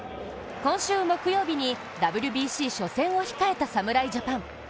今週木曜日にＷＢＣ初戦を控えた侍ジャパン。